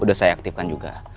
udah saya aktifkan juga